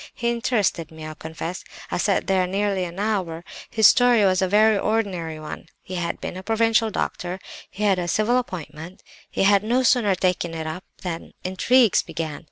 He interested me, I confess; I sat there nearly an hour. His story was a very ordinary one. He had been a provincial doctor; he had a civil appointment, and had no sooner taken it up than intrigues began.